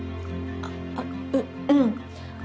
あっううん。